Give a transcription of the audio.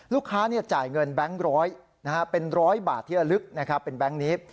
ลูกค้าจ่ายเงินแบงค์ร้อยเป็น๑๐๐บาทที่อาลึกเป็นแบงค์นี้